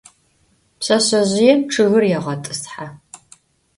Pşseşsezjıêm ççıgır yêğet'ıshe.